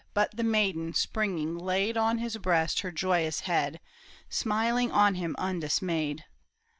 But the maiden, springing, laid On his breast her joyous head, Smiling on him undismayed.